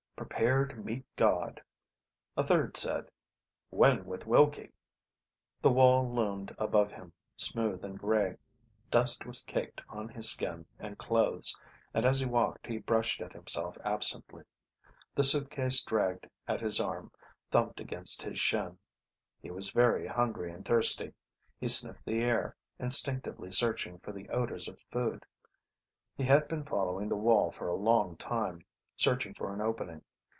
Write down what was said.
PREPARE TO MEET GOD A third said: WIN WITH WILLKIE The wall loomed above him, smooth and grey. Dust was caked on his skin and clothes, and as he walked he brushed at himself absently. The suitcase dragged at his arm, thumped against his shin. He was very hungry and thirsty. He sniffed the air, instinctively searching for the odors of food. He had been following the wall for a long time, searching for an opening.